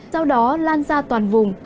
sau đó lan ra toàn vùng